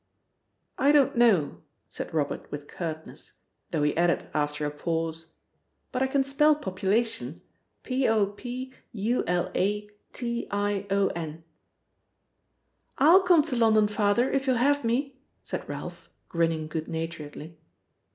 "I don't know," said Robert with curtness, though he added after a pause: "But I can spell population p o p u l a t i o n." "I'll come to London, Father, if you'll have me," said Ralph, grinning good naturedly.